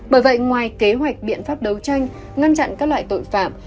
bởi vậy ngoài kế hoạch biện pháp đấu tranh ngăn chặn các loại tội phạm